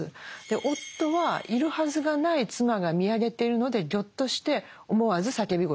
夫はいるはずがない妻が見上げているのでぎょっとして思わず叫び声を上げたと。